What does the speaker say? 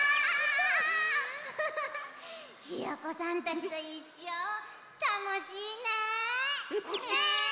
ウフフフひよこさんたちといっしょたのしいね！ね！